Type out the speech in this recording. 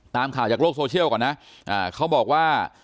ตามข่าวจากโลกโซเชียลก่อนนะเขาบอกว่า